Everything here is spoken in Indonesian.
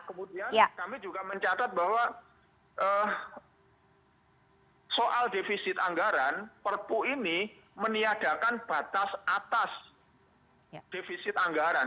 kemudian kami juga mencatat bahwa soal defisit anggaran perpu ini meniadakan batas atas defisit anggaran